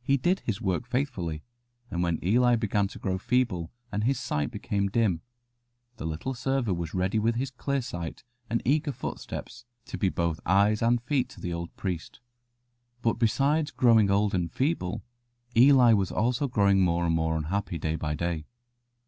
He did his work faithfully, and when Eli began to grow feeble and his sight became dim, the little server was ready with his clear sight and eager footsteps to be both eyes and feet to the old priest. But besides growing old and feeble, Eli was also growing more and more unhappy day by day.